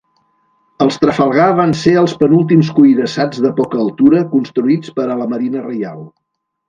Els "Trafalgar" van ser els penúltims cuirassats de poca altura construïts per a la Marina Reial.